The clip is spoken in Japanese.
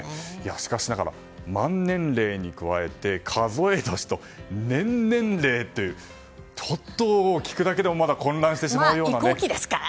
しかしながら、満年齢に加えて数え年と年年齢というちょっと聞くだけでもまあ、移行期ですから。